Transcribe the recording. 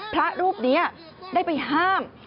พระรูปนี้ได้ไปห้าม